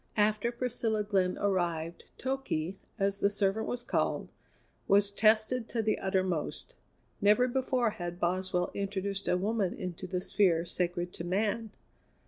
After Priscilla Glenn arrived, Toky, as the servant was called, was tested to the uttermost. Never before had Boswell introduced a woman into the sphere sacred to Man.